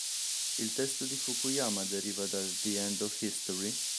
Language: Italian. Il testo di Fukuyama derivava da "The End of History?